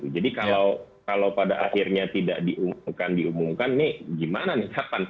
jadi kalau pada akhirnya tidak diumumkan nih gimana nih